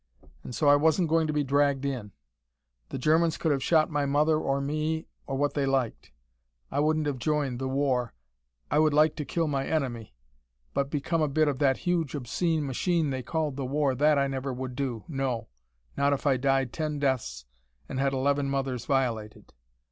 And so I wasn't going to be dragged in. The Germans could have shot my mother or me or what they liked: I wouldn't have joined the WAR. I would like to kill my enemy. But become a bit of that huge obscene machine they called the war, that I never would, no, not if I died ten deaths and had eleven mothers violated.